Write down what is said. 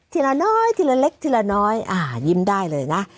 ละน้อยทีละเล็กทีละน้อยยิ้มได้เลยนะ